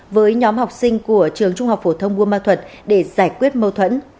với nhóm học sinh của trường trung học phổ thông buôn ma thuật để giải quyết mâu thuẫn